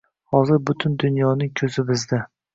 Hozir butun dunyoning ko‘zi bizda